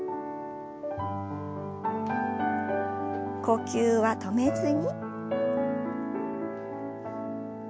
呼吸は止めずに。